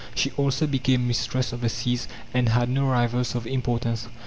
She also became mistress of the seas and had no rivals of importance.